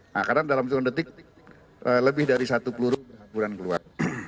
nah karena dalam hitungan detik lebih dari satu peluru bulan keluar